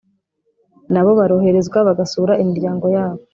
nabo baroherezwa bagasura imiryango yabo"